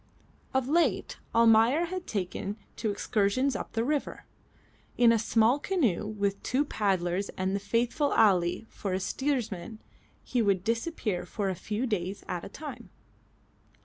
Of late Almayer had taken to excursions up the river. In a small canoe with two paddlers and the faithful Ali for a steersman he would disappear for a few days at a time.